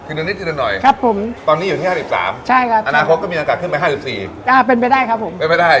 ขึ้นหนิดหน่อยตอนนี้อยู่ที่๕๓อาณาโครตก็มีอันการขึ้นไป๕๔อีกเป็นไปได้ครับผมเป็นไปได้